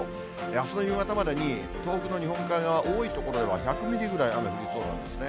あすの夕方までに、東北の日本海側、多い所では１００ミリぐらい、雨降りそうなんですね。